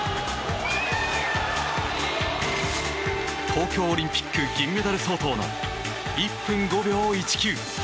東京オリンピック銀メダル相当の１分５秒１９。